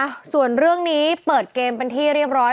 อ่ะส่วนเรื่องนี้เปิดเกมเป็นที่เรียบร้อย